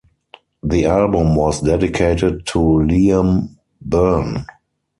The album was dedicated to Liam Byrne.